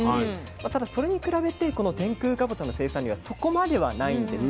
ただそれに比べてこの天空かぼちゃの生産量はそこまではないんですね。